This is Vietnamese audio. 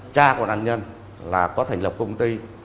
cha của nạn nhân là có thành lập công ty